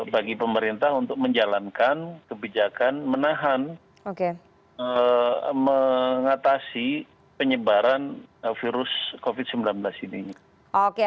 bagi pemerintah untuk menjalankan kebijakan menahan mengatasi penyebaran virus covid sembilan belas ini